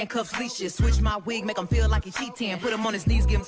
ไม่เชื่อจริงรีลาไม่เชื่อเมนูเลยค่ะ